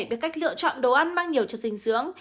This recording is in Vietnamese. về cách lựa chọn đồ ăn mang nhiều cho dinh dưỡng